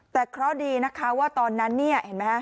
แต่เคราะห์ดีนะคะว่าตอนนั้นเนี่ยเห็นไหมฮะ